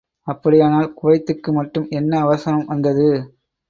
அப்படியானால் குவைத்துக்கு மட்டும் என்ன அவசரம் வந்தது?